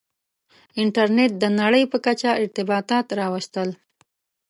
• انټرنېټ د نړۍ په کچه ارتباطات راوستل.